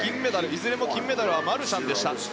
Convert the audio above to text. いずれも金メダルはマルシャンでした。